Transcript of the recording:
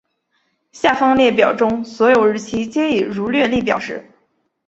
下方列表中所有日期皆以儒略历表示。